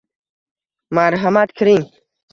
Marhamat kiring.